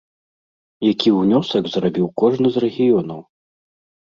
Які ўнёсак зрабіў кожны з рэгіёнаў?